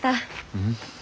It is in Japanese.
うん？